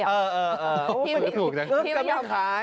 เออถูกจัง